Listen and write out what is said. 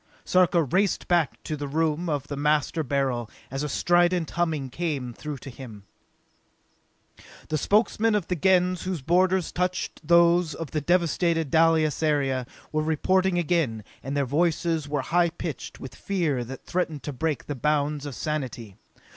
Sarka raced back to the room of the Master Beryl as a strident humming came through to him. The Spokesmen of the Gens whose borders touched those of the devasted Dalis area, were reporting again, and their voices were high pitched with fear that threatened to break the bounds of sanity.